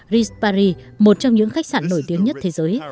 rit paris một trong những khách sạn nổi tiếng nhất thế giới